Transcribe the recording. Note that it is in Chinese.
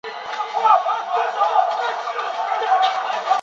胡绣凤当即将关露的心愿汇报给八路军重庆办事处负责人邓颖超。